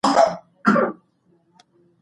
ټیلیګرام